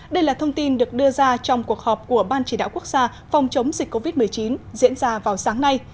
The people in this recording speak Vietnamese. đây là thông tin được đưa ra trong cuộc họp của ban chỉ đạo quốc gia phòng chống dịch covid một mươi chín diễn ra vào sáng nay